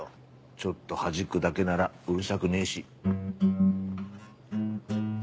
ちょっとはじくだけならうるさくねえし。